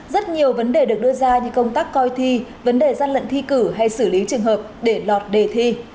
rất nhiều vấn đề được đưa ra như công tác coi thi vấn đề gian lận thi cử hay xử lý trường hợp để lọt đề thi